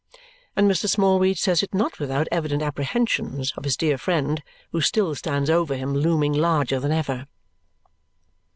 And Mr. Smallweed says it not without evident apprehensions of his dear friend, who still stands over him looming larger than ever.